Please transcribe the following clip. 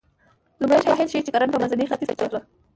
لومړي شواهد ښيي چې کرنه په منځني ختیځ کې پیل شوه